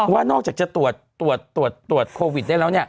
ว่านอกจากจะตรวจตรวจตรวจตรวจโควิดได้แล้ว